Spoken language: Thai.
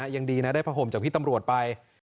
ยังดีนะได้ผ้าห่มจากพี่ตำรวจไป